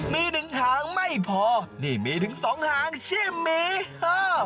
มีถึงหางไม่พอนี่มีถึงสองหางใช่มั้ยโอ้